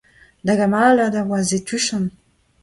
Da gamalad a oa aze tuchant'.